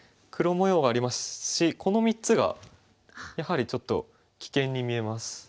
黒模様がありますしこの３つがやはりちょっと危険に見えます。